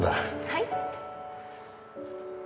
はい？